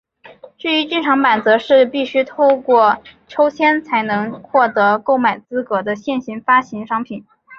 至于剧场版则是必须透过抽签才能获得购买资格的限量发行商品。